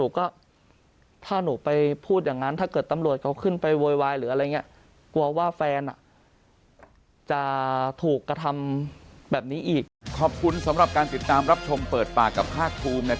หนูก็ถ้าหนูไปพูดอย่างนั้นถ้าเกิดตำรวจเขาขึ้นไปโวยวายหรืออะไรเงี้ย